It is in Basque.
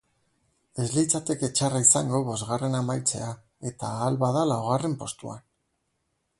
Ez litzateke txarra izango bosgarren amaitzea eta ahal bada laugarren postuan.